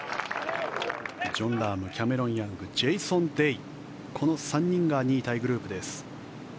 ジョン・ラームキャメロン・ヤングジェイソン・デイこの３人が２位タイグループです。